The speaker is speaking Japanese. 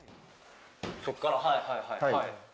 そこからはいはいはいはい。